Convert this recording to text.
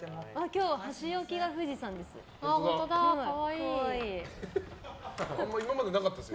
今日、箸置きが富士山です。